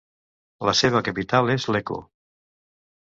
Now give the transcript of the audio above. La seva capital és Lecco.